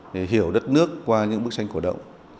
để hiểu đất nước qua những bức tranh cổ động